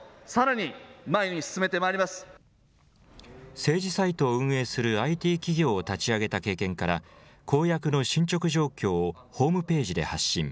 政治サイトを運営するＩＴ企業を立ち上げた経験から、公約の進捗状況をホームページで発信。